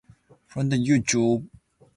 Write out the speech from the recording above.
Additional recordings can be found on YouTube.